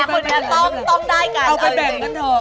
คนนี้ต้องได้กัน